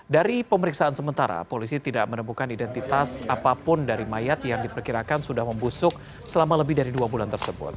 dari pemeriksaan sementara polisi tidak menemukan identitas apapun dari mayat yang diperkirakan sudah membusuk selama lebih dari dua bulan tersebut